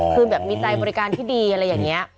คือแบบมีใจบริการที่ดีอะไรอย่างนี้